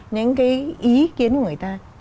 những cái ý kiến của người ta